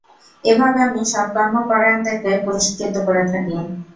এভাবে আমি সৎকর্মপরায়ণদেরকে পুরস্কৃত করে থাকি।